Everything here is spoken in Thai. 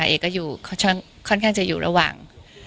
เอกก็อยู่ค่อนข้างจะอยู่ระหว่าง